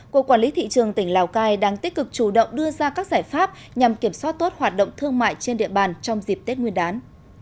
cục quản lý thị trường tỉnh lào cai đang tích cực chủ động đưa ra các giải pháp nhằm kiểm soát tốt hoạt động thương mại trên địa bàn trong dịp tết nguyên đán